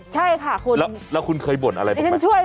ใช่ค่ะคุณดิฉันช่วยแล้วคุณเคยบ่นอะไรบอกไหม